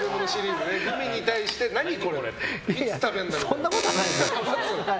そんなことないですよ。